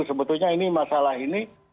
sebetulnya masalah ini